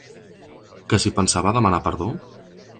Que si pensava demanar perdó?